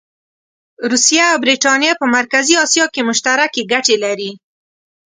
روسیه او برټانیه په مرکزي اسیا کې مشترکې ګټې لري.